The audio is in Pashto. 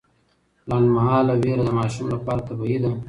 لنډمهاله ویره د ماشومانو لپاره طبیعي ده.